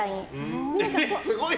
すごい。